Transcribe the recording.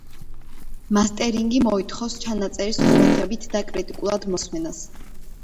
მასტერინგი მოითხოვს ჩანაწერის ყურადღებით და კრიტიკულად მოსმენას.